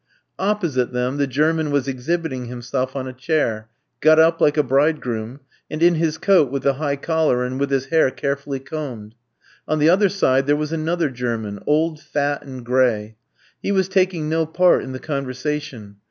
Opposite them, the German was exhibiting himself on a chair, got up like a bridegroom, and in his coat with the high collar, and with his hair carefully combed. On the other side, there was another German, old, fat, and gray. He was taking no part in the conversation.